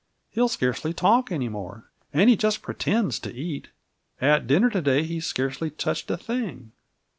He'll scarcely talk any more, and he just pretends to eat. At dinner to day he scarcely touched a thing!